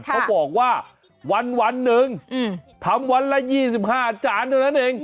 เขาบอกว่าวันหนึ่งทำวันละ๒๕จานเท่านั้นเอง